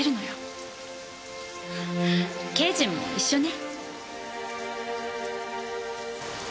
刑事も一緒ね。